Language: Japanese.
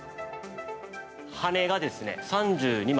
羽がですね、３２枚。